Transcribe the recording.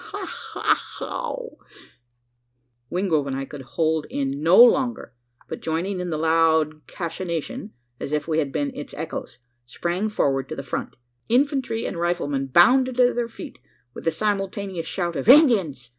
Ha, ha, haw!" Wingrove and I could hold in no longer, but joining in the loud cachinnation as if we had been its echoes sprang forward to the front. Infantry and rifleman bounded to their feet, with a simultaneous shout of "Indians!"